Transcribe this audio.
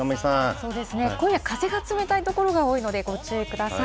そうですね、今夜、風が冷たい所が多いので、ご注意ください。